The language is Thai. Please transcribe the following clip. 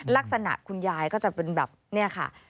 ลักษณะคุณยายก็จะเป็นแบบนี้ค่ะ